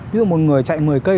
ví dụ một người chạy một mươi cây